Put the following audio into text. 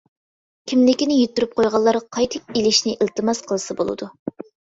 كىملىكنى يىتتۈرۈپ قويغانلار قايتا ئېلىشنى ئىلتىماس قىلسا بولىدۇ.